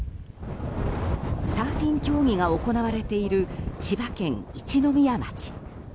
サーフィン競技が行われている千葉県一宮町。